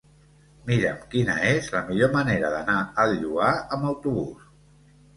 Mira'm quina és la millor manera d'anar al Lloar amb autobús.